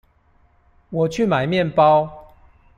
我去買麵包